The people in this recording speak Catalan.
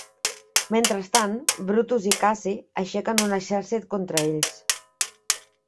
Mentrestant, Brutus i Cassi aixequen un exèrcit contra ells.